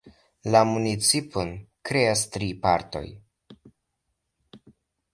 La municipon kreas tri partoj.